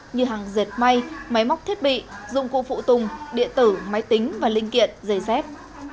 như hàng dệt may máy móc thiết bị dụng cụ phụ tùng điện tử máy tính và linh kiện giấy dép